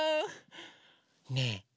ねえ